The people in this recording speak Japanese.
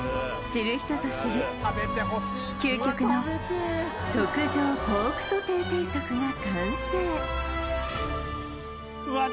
知る人ぞ知る究極の特上ポークソテー定食が完成うわ